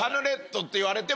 って言われても。